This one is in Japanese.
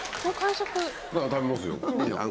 食べますよ。